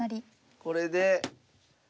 これで。